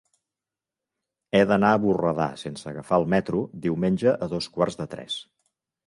He d'anar a Borredà sense agafar el metro diumenge a dos quarts de tres.